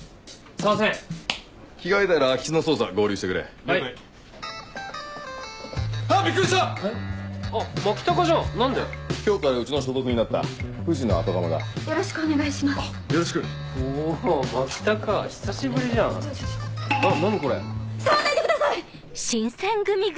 触んないでください！